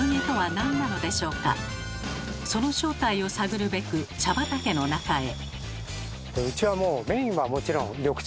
その正体を探るべく茶畑の中へ。